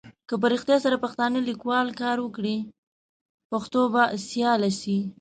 که په رېښتیا سره پښتانه لیکوال کار وکړي پښتو به سیاله سي.